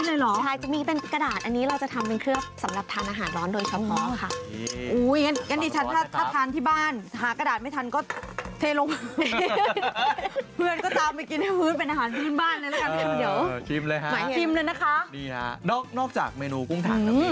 อันนี้เป็นกระดาษอันนี้เราจะทำเป็นเครือบสำหรับทานอาหารร้อนโดยเฉพาะค่ะ